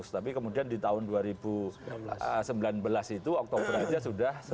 tapi kemudian di tahun dua ribu sembilan belas itu oktober aja sudah